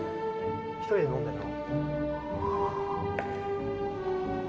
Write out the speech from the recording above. １人で飲んでるの？